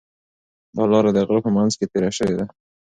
دا لاره د غره په منځ کې تېره شوې ده.